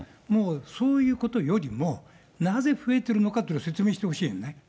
もう、そういうことよりも、なぜ増えてるのかっていうのを説明してほしいよね。